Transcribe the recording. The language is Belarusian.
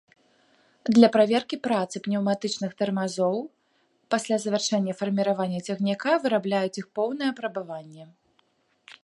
Для праверкі працы пнеўматычных тармазоў пасля завяршэння фарміравання цягніка вырабляюць іх поўнае апрабаванне.